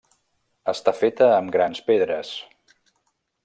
Està feta amb grans pedres.